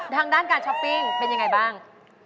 ทางด้านการช้อปปิ้งเป็นยังไงบ้าง